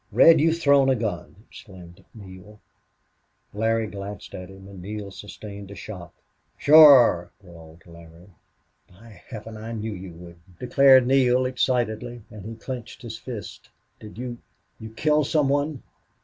"Red, you've thrown a gun!" exclaimed Neale. Larry glanced at him, and Neale sustained a shock. "Shore," drawled Larry. "By Heaven! I knew you would," declared Neale, excitedly, and he clenched his fist. "Did you you kill some one?"